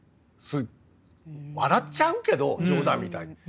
笑っちゃうけど冗談みたいに。